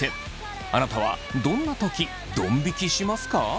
あなたはどんなときどん引きしますか？